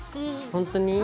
ほんとに？